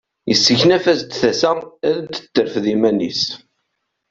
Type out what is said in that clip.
Yesseknaf-as-d tasa ad d-terfed iman-is.